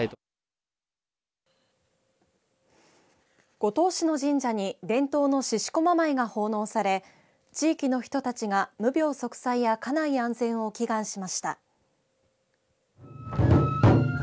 五島市の神社に伝統の獅子こま舞が奉納され地域の人たちが無病息災や家内安全を祈願しました。